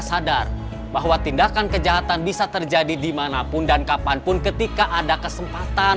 sadar bahwa tindakan kejahatan bisa terjadi dimanapun dan kapanpun ketika ada kesempatan